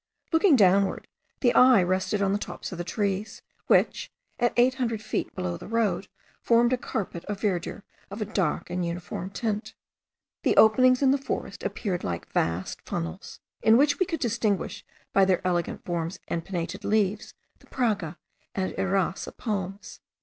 Looking downward, the eye rested on the tops of the trees, which, at eight hundred feet below the road, formed a carpet of verdure of a dark and uniform tint. The openings in the forest appeared like vast funnels, in which we could distinguish by their elegant forms and pinnated leaves, the Praga and Irasse palms.